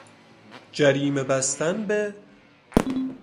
جریمه بستن به...